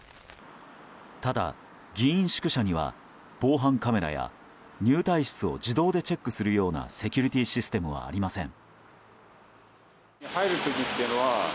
ただ、議員宿舎には防犯カメラや入退室を自動でチェックするようなセキュリティーシステムはありません。